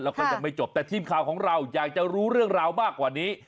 แล้วก็ยังไม่จบแต่ทีมข่าวของเราอยากจะรู้เรื่องราวมากกว่านี้